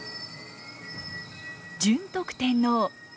順徳天皇。